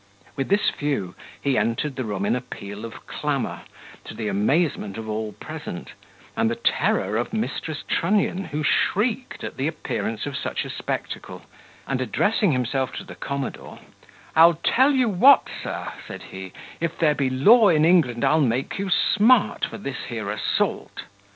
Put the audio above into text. With this view, he entered the room in a peal of clamour, to the amazement of all present, and the terror of Mrs. Trunnion, who shrieked at the appearance of such a spectacle; and addressing himself to the commodore, "I'll tell you what, sir," said he; "if there be law in England, I'll make you smart for this here assault."